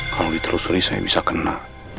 kalau ditelusuri saya bisa kena